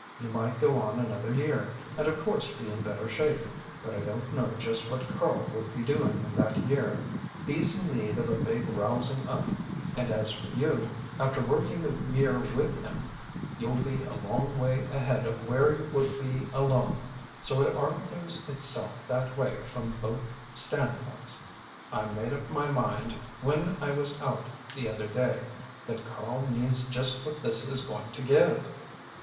You might go on another year, and of course be in better shape, but I don't know just what Karl would be doing in that year; he's in need of a big rousing up, and as for you, after working the year with him, you'll be a long way ahead of where you would be alone. So it argues itself that way from both standpoints. I made up my mind when I was out the other day that Karl needs just what this is going to give."